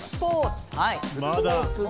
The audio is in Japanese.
はい。